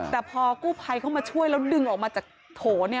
แต่พอกู้ภัยเข้ามาช่วยแล้วดึงออกมาจากโถ